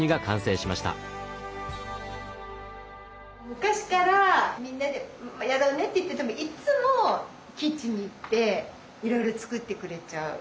昔からみんなでやろうねって言っててもいっつもキッチンに行っていろいろ作ってくれちゃう。